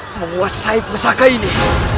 menguasai pusaka ini